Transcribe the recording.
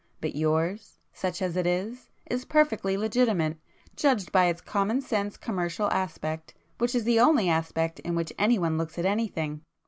But yours, such as it is, is perfectly legitimate, judged by its common sense commercial aspect, which is the only aspect in which anyone looks at anything.